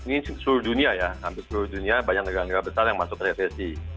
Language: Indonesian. ini seluruh dunia ya hampir seluruh dunia banyak negara negara besar yang masuk resesi